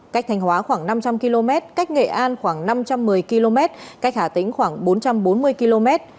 cách thanh hóa khoảng năm trăm linh km cách nghệ an khoảng năm trăm một mươi km cách hà tĩnh khoảng bốn trăm bốn mươi km